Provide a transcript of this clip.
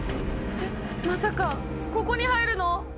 えっまさかここに入るの！？